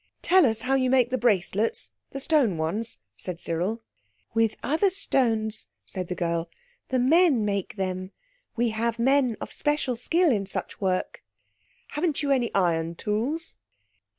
"Tell us how you make the bracelets, the stone ones," said Cyril. "With other stones," said the girl; "the men make them; we have men of special skill in such work." "Haven't you any iron tools?"